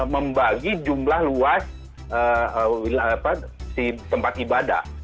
membagi jumlah luas tempat ibadah